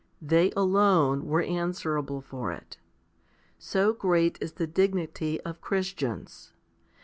They alone were answerable for it. So great is the dignity of Christians.